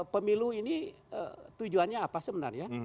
pemilu ini tujuannya apa sebenarnya